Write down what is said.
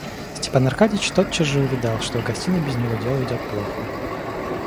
Степан Аркадьич тотчас же увидал, что в гостиной без него дело идет плохо.